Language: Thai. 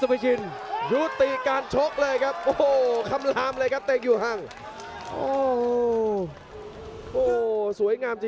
โปรดติดตามตอนต่อไป